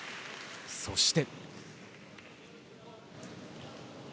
そして。